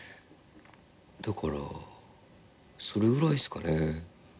だからそれぐらいですかね。